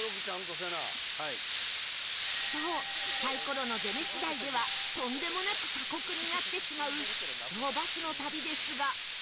そうサイコロの出目次第ではとんでもなく過酷になってしまう秘境バスの旅ですが